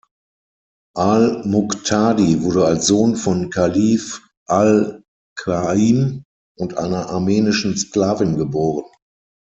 Al-Muqtadi wurde als Sohn von Kalif al-Qa'im und einer armenischen Sklavin geboren.